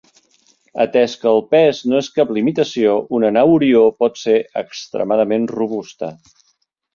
Atès que el pes no és cap limitació, una nau Orió pot ser extremadament robusta.